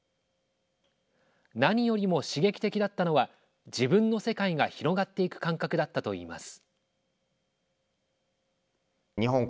何よりも刺激的だったのは自分の世界が広がっていく感覚だったといいます。